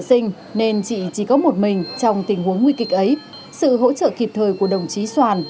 sinh nên chị chỉ có một mình trong tình huống nguy kịch ấy sự hỗ trợ kịp thời của đồng chí soàn